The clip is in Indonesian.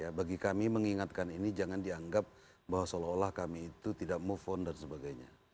ya bagi kami mengingatkan ini jangan dianggap bahwa seolah olah kami itu tidak move on dan sebagainya